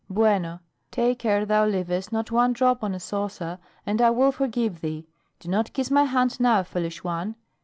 "Bueno; take care thou leavest not one drop on a saucer and I will forgive thee do not kiss my hand now, foolish one!